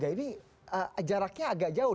ini jaraknya agak jauh